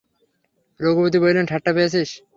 রঘুপতি বলিলেন, ঠাট্টা পেয়েছিস?